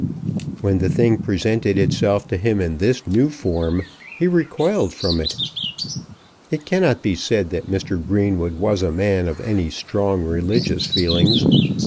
When the thing presented itself to him in this new form, he recoiled from it. It cannot be said that Mr. Greenwood was a man of any strong religious feelings.